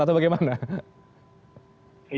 atau bagaimana cara mas budi setiarso